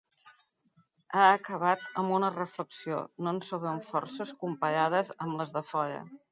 Ha acabat amb una reflexió: No ens sobren forces, comparades amb les de fora.